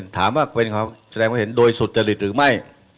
ถามว่าเป็นแสดงว่าเห็นโดยสุจริตหรือไม่